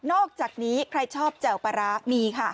อกจากนี้ใครชอบแจ่วปลาร้ามีค่ะ